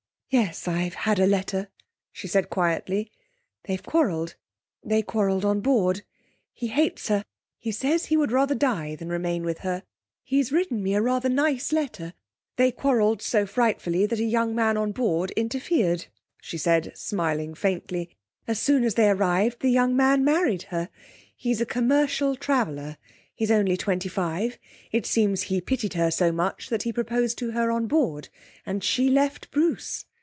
'Yes, I've had a letter,' she said quietly. 'They've quarrelled. They quarrelled on board. He hates her. He says he would rather die than remain with her. He's written me a rather nice letter. They quarrelled so frightfully that a young man on board interfered,' she said, smiling faintly. 'As soon as they arrived the young man married her. He's a commercial traveller. He's only twenty five.... It seems he pitied her so much that he proposed to her on board, and she left Bruce.